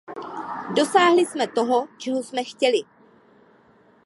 Dosáhli jsme toho, čeho jsme chtěli.